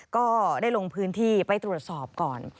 ก็ได้ลงพื้นที่ไปตรวจสอบก่อน